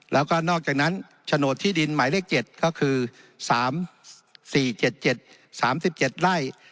แล้วก็นอกจากนั้นโฉนดที่ดินหมายเลข๗ก็คือ๓๔๗๗๓๗ไร่